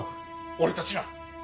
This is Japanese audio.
俺たちが。